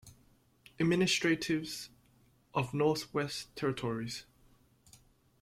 Administrative of Northwest Territories.